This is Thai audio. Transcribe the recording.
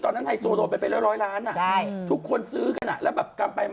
ตอนนั้นไฮโซโดนไปร้อยล้านอ่ะทุกคนซื้อกันอ่ะแล้วแบบกลับไป